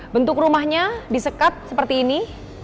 bentuk rumahnya disekat seperti ini